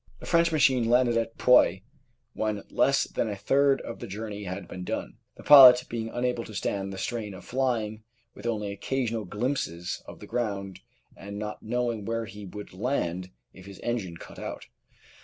The French machine landed at Poix when less than a third of the journey had been done, the pilot being unable to stand the strain of flying with only occasional glimpses of the ground and not knowing where he would land if his engine cut out.